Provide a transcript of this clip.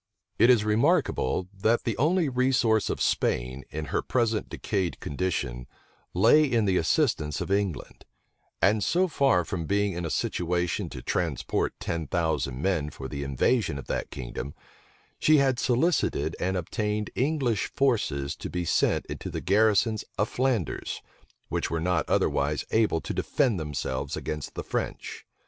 It is remarkable, that the only resource of Spain, in her present decayed condition, lay in the assistance of England: and, so far from being in a situation to transport ten thousand men for the invasion of that kingdom, she had solicited and obtained English forces to be sent into the garrisons of Flanders, which were not otherwise able to defend themselves against the French.